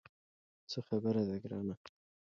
څه خبره ده ګرانه.